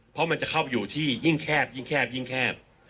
เพราะมันจะเข้าไปอยู่ที่ยิ่งแคบยิ่งแคบยิ่งแคบ